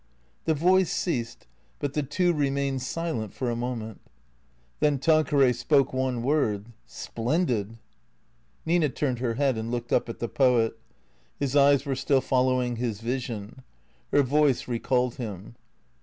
The voice ceased, but the two remained silent for a moment. Then Tanqueray spoke one word, " Splendid !" Nina turned her head and looked up at the poet. His eyes were still following his vision. Her voice recalled him.